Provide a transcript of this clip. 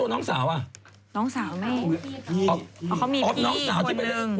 น้องสาวมีออฟน้องสาวที่ไปเรียก